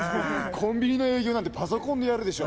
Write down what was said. コンビニの営業なんてパソコンでやるでしょ。